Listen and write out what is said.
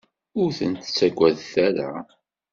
Ur ten-ttagadet ara!